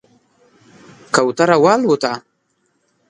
کوتره والوته